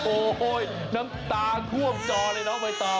โอ้โห้ยน้ำตาท่วมจอในน้องไปต่อ